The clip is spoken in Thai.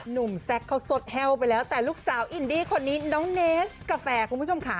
แซคเขาสดแห้วไปแล้วแต่ลูกสาวอินดี้คนนี้น้องเนสกาแฟคุณผู้ชมค่ะ